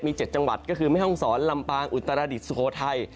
มี๗จังหวัดก็คือแม่ห้องสอนลำบางอุตราดิสโธทัย